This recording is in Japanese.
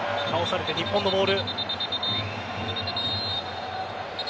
倒されて日本のボール。